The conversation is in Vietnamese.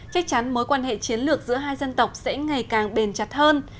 chắc chắn mối quan hệ chiến lược giữa hai dân tộc sẽ ngày càng bền chặt hơn